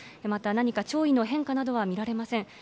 また、何か潮位の変化などは見られません。